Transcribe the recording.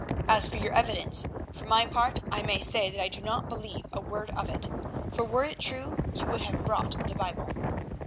As for your evidence, for my part I may say that I do not believe a word of it, for were it true you would have brought the Bible."